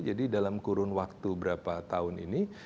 jadi dalam kurun waktu berapa tahun ini